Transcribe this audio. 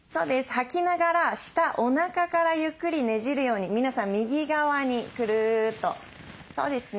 吐きながら下おなかからゆっくりねじるように皆さん右側にくるっとそうですね。